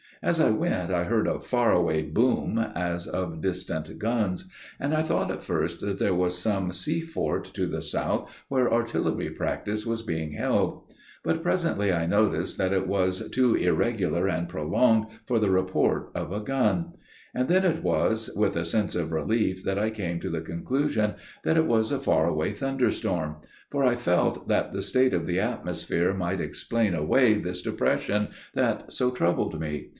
As I went I heard a far away boom, as of distant guns, and I thought at first that there was some sea fort to the south where artillery practice was being held; but presently I noticed that it was too irregular and prolonged for the report of a gun; and then it was with a sense of relief that I came to the conclusion it was a far away thunderstorm, for I felt that the state of the atmosphere might explain away this depression that so troubled me.